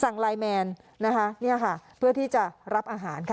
ไลน์แมนนะคะเนี่ยค่ะเพื่อที่จะรับอาหารค่ะ